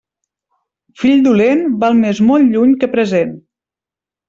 Fill dolent, val més molt lluny que present.